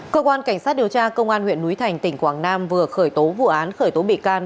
cơ quan cảnh sát điều tra công an huyện núi thành tỉnh quảng nam vừa khởi tố vụ án khởi tố bị can